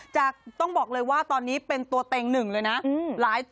ต้องบอกเลยว่าตอนนี้เป็นตัวเต็งหนึ่งเลยนะ